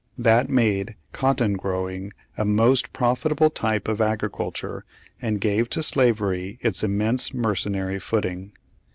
That made cotton growing a most profitable type of agricul ture and gave to slavery its immense mercenary footing.